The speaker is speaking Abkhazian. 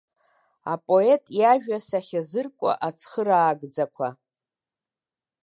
Апоет иажәа сахьазыркуа ацхыраагӡақәа.